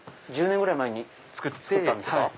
１０年ぐらい前に作ったんですか。